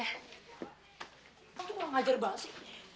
kamu tuh ngajar banget sih